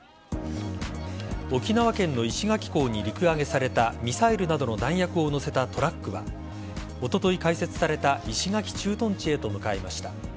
沖縄県の石垣港に陸揚げされたミサイルなどの弾薬を載せたトラックはおととい開設された石垣駐屯地へと向かいました。